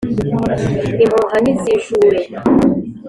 Impuha nizijure,